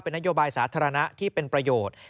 นโยบายสาธารณะที่เป็นประโยชน์